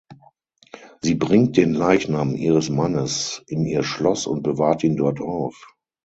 Sie bringt den Leichnam ihres Mannes in ihr Schloss und bewahrt ihn dort auf.